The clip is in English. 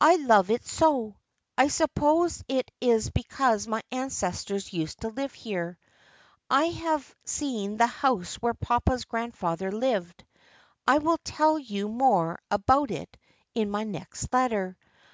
I love it so. I suppose it is because my ancestors used to live here. I have seen the house where papa's grandfather lived. I will tell you more about it in my next letter.